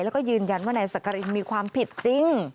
แล้วก็ยืนยันว่านายสักกรินมีความผิดจริง